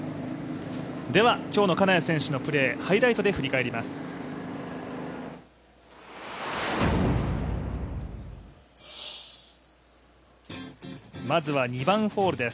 今日の金谷選手のプレーハイライトで振り返ります。